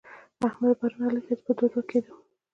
احمد؛ پرون علي ته په دوه دوه کېدو.